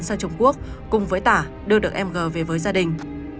sang trung quốc cùng với tả đưa được em g về với gia đình